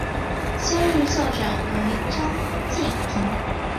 现任校长为张晋平。